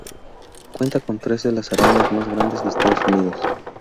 Cuenta con tres de las arañas más grandes de Estados Unidos.